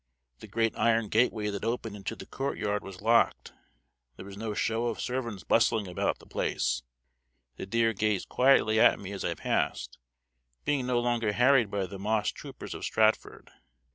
The great iron gateway that opened into the courtyard was locked, there was no show of servants bustling about the place; the deer gazed quietly at me as I passed, being no longer harried by the moss troopers of Stratford.